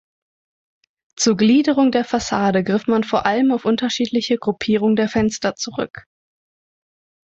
Zur Gliederung der Fassade griff man vor allem auf unterschiedliche Gruppierung der Fenster zurück.